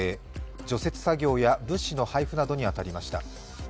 除雪作業や物資の配布などに当たりました。